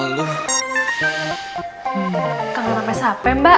kangen sampe sampe mbak